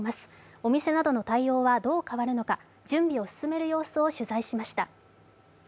お店などの対応はどの変わるのか、準備を進める様子を取材しました。